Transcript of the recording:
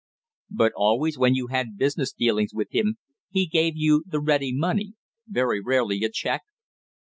"But always when you had business dealings with him he gave you the ready money, very rarely a check?"